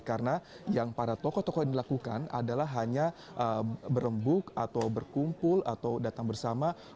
karena yang para tokoh tokoh yang dilakukan adalah hanya berembuk atau berkumpul atau datang bersama